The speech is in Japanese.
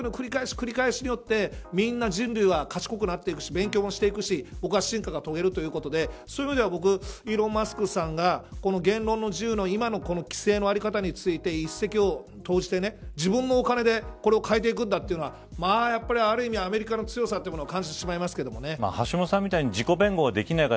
そういうことの繰り返しによってみんな人類は賢くなっていくし勉強をしていくし僕は進化を遂げるということでそういう意味ではイーロン・マスクさんが言論の自由の今の規制の在り方について一石を投じて自分のお金でこれを変えていくんだというのはある意味、アメリカの強さを感じてしまいますけどね。